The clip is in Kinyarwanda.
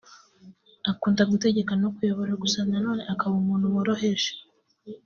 akunda gutegeka no kuyobora gusa nanone akaba umuntu woroheje